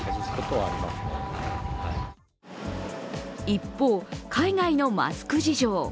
一方、海外のマスク事情。